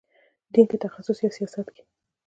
دین کې تخصص یا سیاست کې.